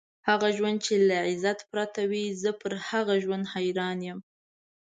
هغه ژوند چې له عزت پرته وي، زه پر هغه ژوند حیران یم.